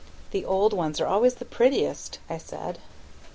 "The old ones are always the prettiest," I said.